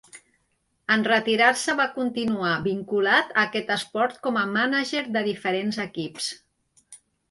En retirar-se va continuar vinculat a aquest esport com a mànager de diferents equips.